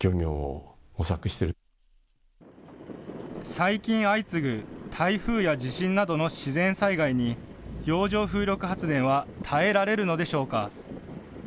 最近、相次ぐ台風や地震などの自然災害に洋上風力発電は耐えられるのでしょうか。